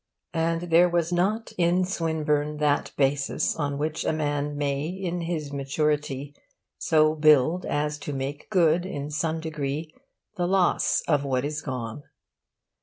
And there was not in Swinburne that basis on which a man may in his maturity so build as to make good, in some degree, the loss of what is gone.